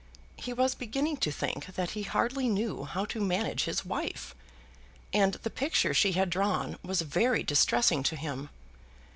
He was beginning to think that he hardly knew how to manage his wife. And the picture she had drawn was very distressing to him.